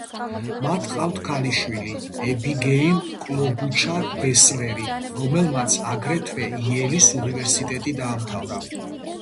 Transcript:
მათ ჰყავთ ქალიშვილი, ებიგეილ კლობუჩარ-ბესლერი, რომელმაც აგრეთვე იელის უნივერსიტეტი დაამთავრა.